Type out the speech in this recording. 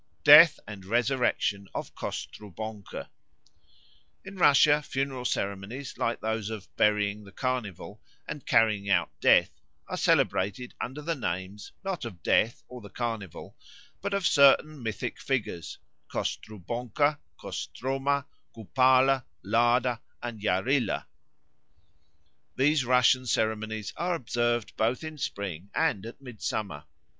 Death and Resurrection of Kostrubonko I RUSSIA funeral ceremonies like those of "Burying the Carnival" and "Carrying out Death" are celebrated under the names, not of Death or the Carnival, but of certain mythic figures, Kostrubonko, Kostroma, Kupalo, Lada, and Yarilo. These Russian ceremonies are observed both in spring and at midsummer.